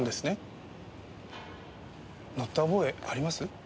乗った覚えあります？